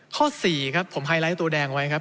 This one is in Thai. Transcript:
ข้อ๔ครับผมไฮไลท์ตัวแดงไว้ครับ